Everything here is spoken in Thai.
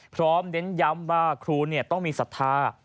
เน้นย้ำว่าครูต้องมีศรัทธา